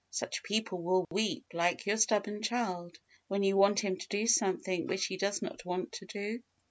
Such people will weep like your stubborn child, when you want him to do something which he does not want to do.